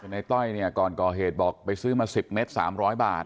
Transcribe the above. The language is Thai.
ในต้อยเนี้ยก่อนกอเหตุบอกไปซื้อมาสิบเม็ดสามร้อยบาท